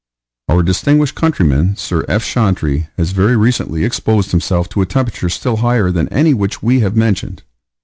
Our distinguished countryman, Sir F. Chantrey, has very recently exposed himself to a temperature still higher than any which we have mentioned.